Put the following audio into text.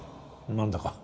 何だか